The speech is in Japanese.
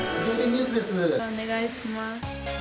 お願いします。